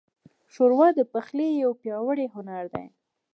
ښوروا د پخلي یو پیاوړی هنر دی.